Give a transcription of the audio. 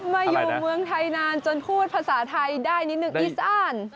มาอยู่เมืองไทยนานจนพูดภาษาไทยได้นิดนึงอีซ่าน